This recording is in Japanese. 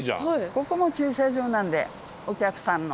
ここも駐車場なんでお客さんの。